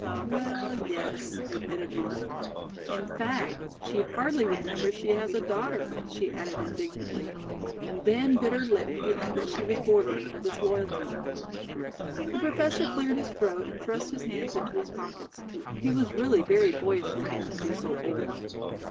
"Well, yes," admitted Molly. "In fact, she hardly remembers she has a daughter," she added indignantly, and then bit her lip, feeling that she was bordering on disloyalty. The Professor cleared his throat and thrust his hands into his pockets. He was really very boyish looking to be so old.